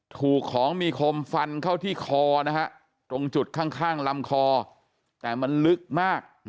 ถูกของมีคมฟันเข้าที่คอตรงจุดข้างลำคอแต่มันลึกมาก